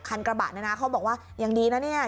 คันกระบะนี้นะเขาบอกว่าอย่างนี้นะเนี่ย